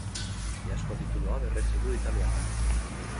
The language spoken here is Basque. Iazko titulua berretsi du italiarrak.